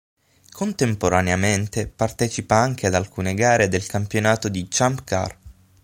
Contemporaneamente partecipa anche ad alcune gare del campionato di Champ Car.